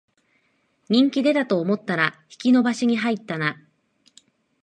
人気出たと思ったら引き延ばしに入ったな